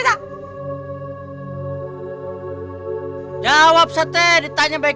tapi dia seseorang spiritual yang bimbinguh